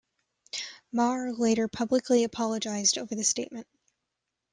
Maher later publicly apologised over the statement.